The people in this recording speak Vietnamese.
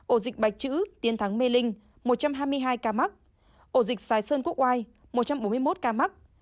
ổ dịch bạch chữ tiến thắng mê linh một trăm hai mươi hai ca mắc ổ dịch xài sơn quốc oai một trăm bốn mươi một ca mắc